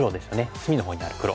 隅のほうにある黒。